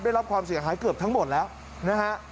ได้รับความเสียหายเกือบทั้งหมดแล้วนะฮะ